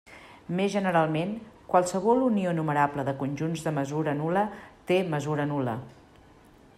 Més generalment, qualsevol unió numerable de conjunts de mesura nul·la té mesura nul·la.